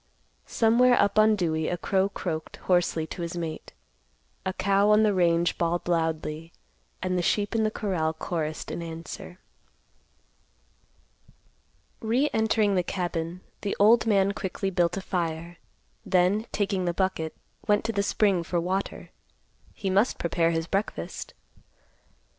Somewhere up on Dewey a crow croaked hoarsely to his mate; a cow on the range bawled loudly and the sheep in the corral chorused in answer. Re entering the cabin, the old man quickly built a fire, then, taking the bucket, went to the spring for water. He must prepare his breakfast.